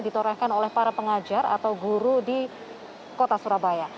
ditorehkan oleh para pengajar atau guru di kota surabaya